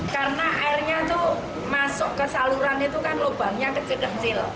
karena airnya tuh masuk ke saluran itu kan lubangnya kecil kecil